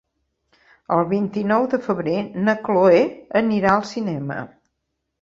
El vint-i-nou de febrer na Cloè anirà al cinema.